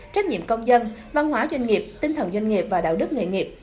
trách nhiệm công dân văn hóa doanh nghiệp tinh thần doanh nghiệp và đạo đức nghề nghiệp